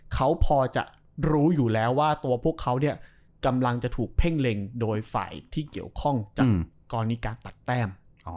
เขาพอจะรู้อยู่แล้วว่าตัวพวกเขาเนี่ยกำลังจะถูกเพ่งเล็งโดยฝ่ายที่เกี่ยวข้องจากกรณีการตัดแต้ม